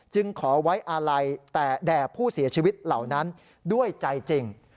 ขอไว้อาลัยแต่แด่ผู้เสียชีวิตเหล่านั้นด้วยใจจริง